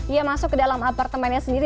ia masuk ke dalam apartemennya sendiri